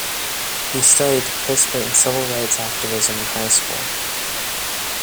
He started to participate in civil rights activism in high school.